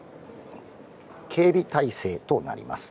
警備態勢となります。